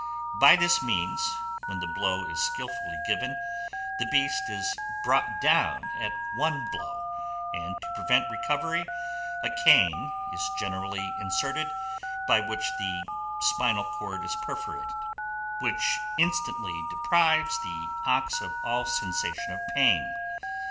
By this means, when the blow is skilfully given, the beast is brought down at one blow, and, to prevent recovery, a cane is generally inserted, by which the spinal cord is perforated, which instantly deprives the ox of all sensation of pain.